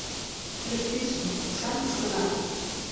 Пӱртӱсым, кушан кушкынат